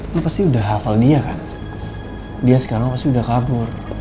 itu pasti udah hafal dia kan dia sekarang pasti udah kabur